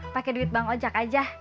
pake duit bang ojak aja